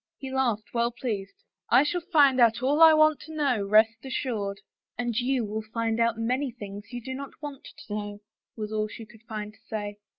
He laughed, well pleased. " I shall find out all I want to know, rest assured." " And you will find out many things you do not want to know," was all she could find to say.